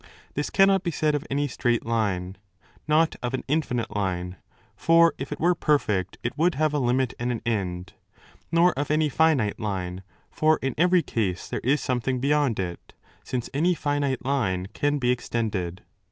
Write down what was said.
This cannot be said of any straight line: —not of an infinite line; for, if it were perfect, it would have a limit and an end: nor of any finite line; for in every case there is something beyond it,® since any finite line can be extended.